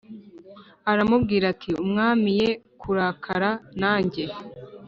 Aramubwira ati Umwami ye kurakara nanjye